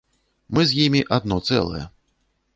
Мы з імі адно цэлае.